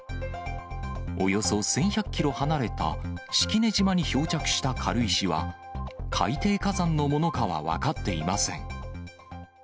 およそ１１００キロ離れた式根島に漂着した軽石は、海底火山のものかは分かっていません。